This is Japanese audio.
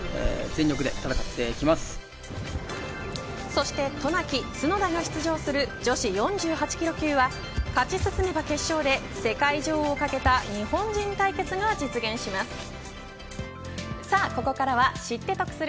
そして渡名喜、角田が出場する女子４８キロ級は勝ち進めば決勝で世界女王をかけた日本人対決が実現します。